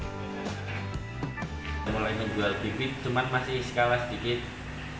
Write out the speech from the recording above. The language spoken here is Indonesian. mulai menjual bibit cuman masih skala sedikit